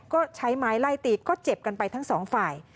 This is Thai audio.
ก็ใช้ไม้ไล่ตีก็เจ็บกันไปทั้งสองฝ่าย